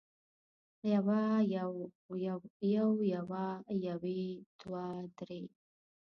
يو يوه يوې دوه دوې